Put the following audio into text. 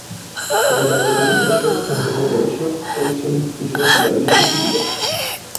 Por un lado, los leprosos, aunque no numerosos, carecían de institución hospitalaria específica.